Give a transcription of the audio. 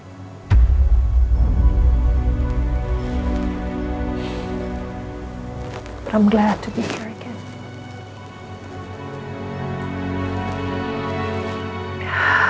saya senang bisa kembali ke sini